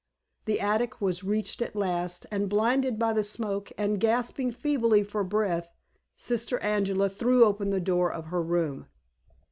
The attic was reached at last, and blinded by the smoke, and gasping feebly for breath, Sister Angela threw open the door of her room.